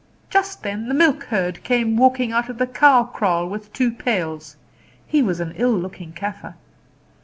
Just then the milk herd came walking out of the cow kraal with two pails. He was an ill looking Kaffer.